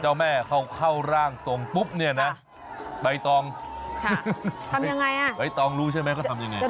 เจ้าแม่เขาเข้าร่างทรงปุ๊บเนี่ยนะใบตองใบตองรู้ใช่ไหมเขาทำยังไง